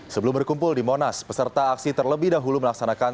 sebelum berkumpul di monas peserta aksi terlebih dahulu melaksanakan